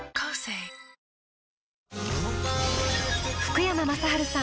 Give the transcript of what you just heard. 福山雅治さん